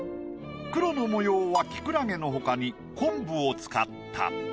黒の模様はキクラゲのほかに昆布を使った。